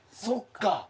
そっか。